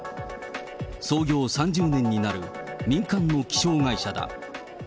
創業３０年になる民間の気象会社だ。